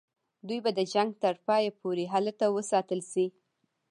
دوی به د جنګ تر پایه پوري هلته وساتل شي.